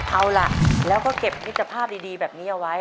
เอาล่ะแล้วก็เก็บมิตรภาพดีแบบนี้เอาไว้